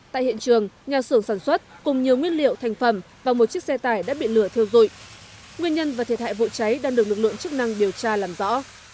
tại hiện trường nhà xưởng sản xuất cùng nhiều nguyên liệu thành phẩm và một chiếc xe tải đã bị lửa thiêu dụi nguyên nhân và thiệt hại vụ cháy đang được lực lượng chức năng điều tra làm rõ